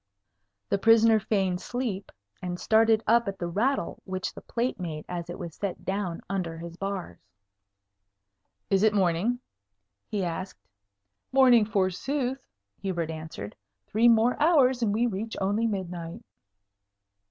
The prisoner feigned sleep, and started up at the rattle which the plate made as it was set down under his bars. "Is it morning?" he asked. "Morning, forsooth!" Hubert answered. "Three more hours, and we reach only midnight."